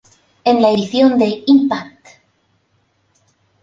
En la edición de "Impact!